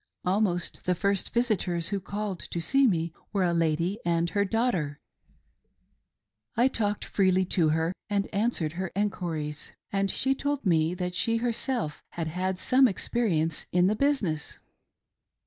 Almost the first visitors who called to ^ee me were a lady and her daughter. I talked freely to her and answered her enquiries, and she told me that she herself had had some experience in the business.